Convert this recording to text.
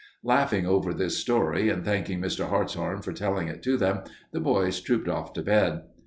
Laughing over this story, and thanking Mr. Hartshorn for telling it to them, the boys trooped off to bed.